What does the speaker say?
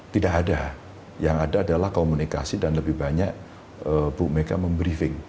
tidak ada yang ada adalah komunikasi dan lebih banyak bu mega memberi briefing